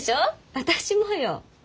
私もよ。